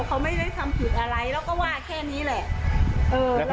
เขาไม่ได้ทำผิดอะไรเราก็ว่าแค่นี้แหละ